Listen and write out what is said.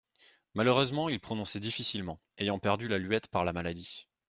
Malheureusement il prononçait difficilement, ayant perdu la luette par la maladie.» (Hub.